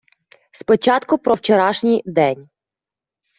Спочатку про вчорашній день.